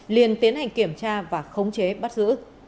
liền tiến hành kiểm tra và khống chế bắt giữ